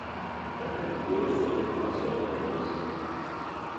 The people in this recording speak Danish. Der findes både sød og salt lakrids.